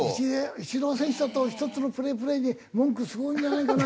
イチロー選手だと１つのプレープレーで文句すごいんじゃないかな。